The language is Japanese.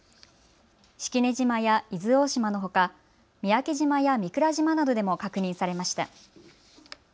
式根島や伊豆大島のほか三宅島や御蔵島などでも確認されました。